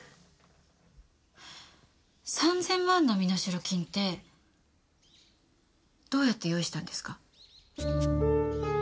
３千万の身代金ってどうやって用意したんですか？